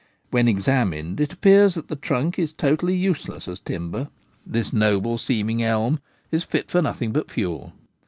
When examined, it appears that the trunk is totally useless as timber: this noble seeming elm is fit for nothing but fuel.